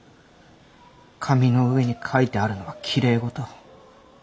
紙の上に書いてあるのはきれい事。